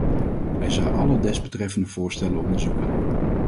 Hij zal alle desbetreffende voorstellen onderzoeken.